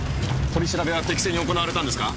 取り調べは適正に行われたんですか？